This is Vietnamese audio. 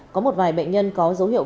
có một vài bệnh nhân có dấu hiệu viêm